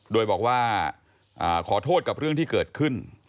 โดยบอกว่าขอโทษกับเรื่องที่เกิดขึ้น